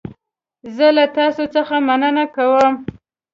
زه له تاسو څخه مننه کوم.